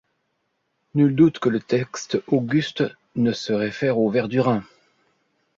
Nul doute que le texte auguste ne se réfère aux Verdurin!